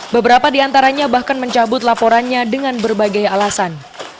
beberapa di antaranya bahkan mencabut laporannya dengan berbagai alasan